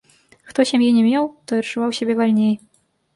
Хто сям'і не меў, той адчуваў сябе вальней.